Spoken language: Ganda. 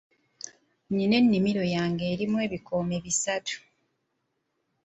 Nina ennimiro yange erimu ebikoomi bisatu.